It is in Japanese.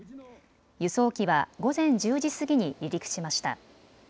輸送機は午前１０時過ぎに離陸しました。